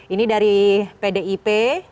ini dari pdip